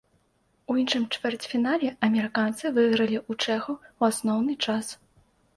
У іншым чвэрцьфінале амерыканцы выйгралі ў чэхаў у асноўны час.